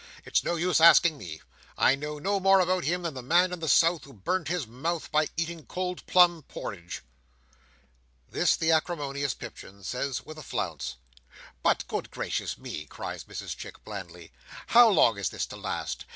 It's no use asking me. I know no more about him than the man in the south who burnt his mouth by eating cold plum porridge." This the acrimonious Pipchin says with a flounce. "But good gracious me!" cries Mrs Chick blandly. "How long is this to last!